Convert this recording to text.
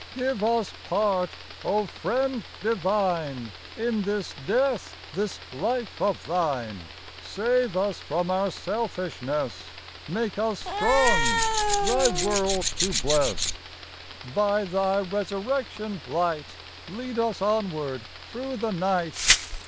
— Give us part, O Friend divine, In this death, this life of Thine ! Save us from our selfishness ! Make us strong, Thy world to bless I By Thy resurrection light Lead us onward through the night